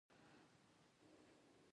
جملې دې په معیاري لیکدود ولیکل شي.